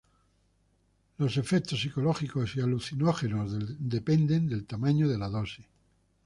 Los efectos psicológicos y alucinógenas dependen del tamaño de la dosis.